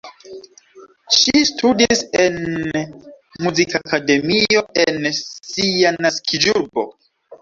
Ŝi studis en Muzikakademio en sia naskiĝurbo.